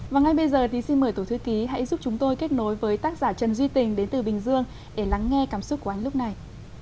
và ngay bây giờ thì xin mời tổ thư ký hãy giúp chúng tôi kết nối với tác giả trần duy tình đến từ bình dương để lắng nghe cảm xúc của anh lúc này